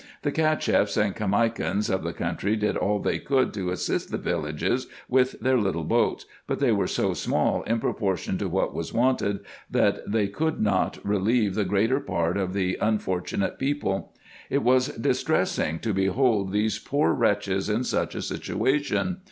The Cacheffs and Caima kans of the country did all they could to assist the villages with their little boats, but they were so small in proportion to what was wanted, that they could not relieve the greater part of the unfor tunate people. It was distressing to behold these poor wretches in such a situation.